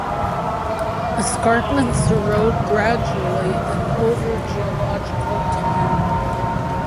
Escarpments erode gradually and over geological time.